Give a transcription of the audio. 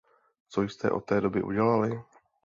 Co jste od té doby udělali?